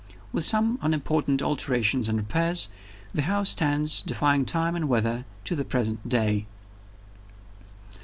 With some unimportant alterations and repairs, the house stands, defying time and weather, to the present day.